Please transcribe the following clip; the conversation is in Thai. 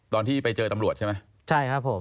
ตอนที่ไปเจอตำรวจใช่ไหม